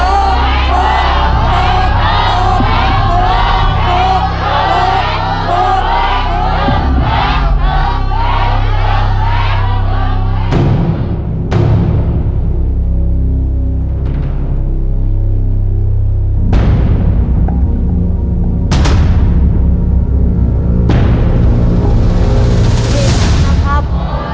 สุดแรกสุดแรกสุดแรกสุดแรก